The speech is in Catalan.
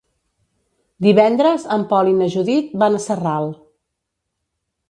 Divendres en Pol i na Judit van a Sarral.